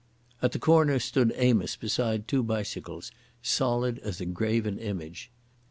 At the corner stood Amos beside two bicycles, solid as a graven image.